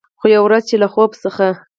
خو، یوه ورځ چې له خوب څخه